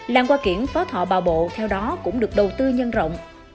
làng hoa kiển phó thọ bà bộ theo đó cũng được đầu tư nhân rộng